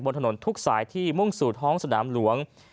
บนถนนทุกสายที่มุ่งสู่ท้องสนามหลวง